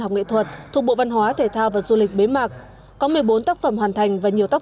học nghệ thuật thuộc bộ văn hóa thể thao và du lịch bế mạc có một mươi bốn tác phẩm hoàn thành và nhiều tác